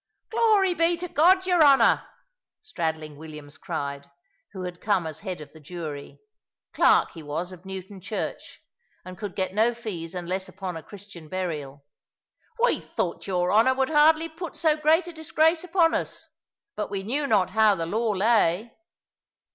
"Glory be to God, your Honour!" Stradling Williams cried, who had come as head of the jury: clerk he was of Newton Church, and could get no fees unless upon a Christian burial: "we thought your Honour would hardly put so great a disgrace upon us; but we knew not how the law lay."